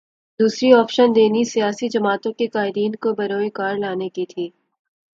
دوسری آپشن دینی سیاسی جماعتوں کے قائدین کو بروئے کار لانے کی تھی۔